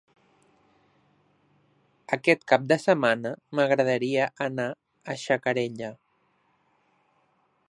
Aquest cap de setmana m'agradaria anar a Xacarella.